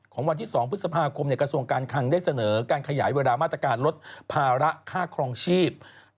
วันที่๒พฤษภาคมกระทรวงการคังได้เสนอการขยายเวลามาตรการลดภาระค่าครองชีพ